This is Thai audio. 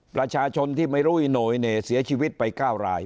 ประชาชนที่ไม่รู้อีโนอิเน่เสียชีวิตไป๙ราย